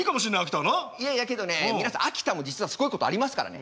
いやいやけどね皆さん秋田も実はすごいことありますからね。